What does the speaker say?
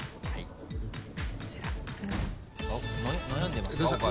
悩んでますか？